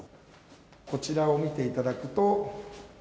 こちらを見ていただくと。